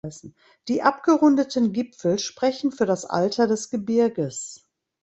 Die abgerundeten Gipfel sprechen für das Alter des Gebirges.